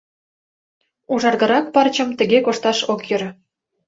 Ужаргырак пырчым тыге кошташ ок йӧрӧ.